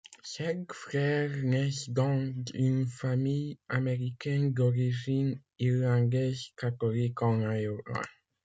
Cinq frères naissent dans une famille américaine d'origine irlandaise catholique en Iowa.